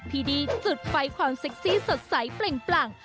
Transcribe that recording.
พี่ดีจุดไฟความเซ็กซี่สดใสเปล่ง